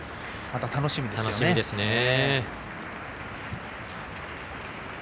また楽しみですよね。